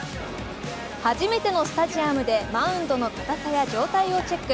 初めてのスタジアムでマウンドの硬さや状態をチェック。